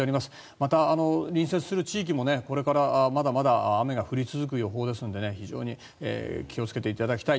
また、隣接する地域もこれからまだまだ雨が降り続く予報ですので非常に気をつけていただきたい。